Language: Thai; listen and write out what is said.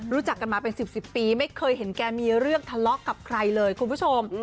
รู้จักกันมาเป็น๑๐ปีไม่เคยเห็นแกมีเรื่องทะเลาะกับใครเลยคุณผู้ชม